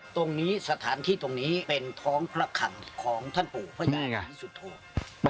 ตรงนี้สถานที่ตรงนี้เป็นท้องพระคังของท่านปู่พระอย่างนี้สุทธิ์